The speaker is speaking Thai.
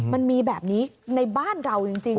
มันมีแบบนี้ในบ้านเราจริง